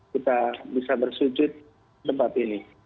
kita bisa bersujud di tempat ini